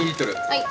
はい。